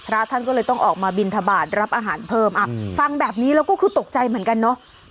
พระท่านก็เลยต้องออกมาบินทบาทรับอาหารเพิ่มฟังแบบนี้แล้วก็คือตกใจเหมือนกันเนาะ